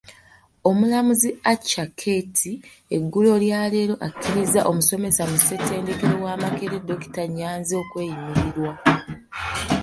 Omulamuzi Acaa Ketty eggulo lyaleero akkirizza omusomesa mu ssettendekero wa Makerere dokita Nnyanzi okweyimirirwa.